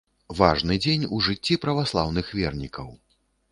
Важны дзень у жыцці праваслаўных вернікаў.